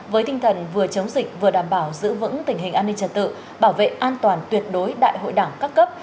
với tinh thần vừa chống dịch vừa đảm bảo giữ vững tình hình an ninh trật tự bảo vệ an toàn tuyệt đối đại hội đảng các cấp